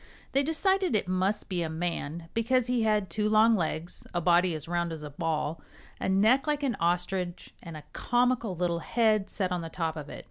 They decided it must be a man, because he had two long legs, a body as round as a ball, a neck like an ostrich and a comical little head set on the top of it.